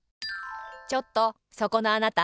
ちょっとそこのあなた。